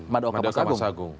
mada okapas agung